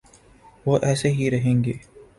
وہ ایسے ہی رہیں گے۔